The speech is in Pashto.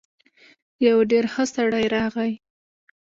يو ډېر ښه سړی راغی.